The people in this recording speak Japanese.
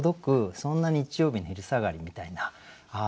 そんな日曜日の昼下がりみたいなああ